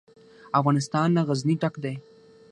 افغانستان له غزني ډک دی.